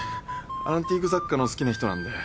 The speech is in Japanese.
アンティーク雑貨の好きな人なんで。